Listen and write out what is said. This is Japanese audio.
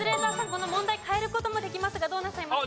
この問題変える事もできますがどうなさいますか？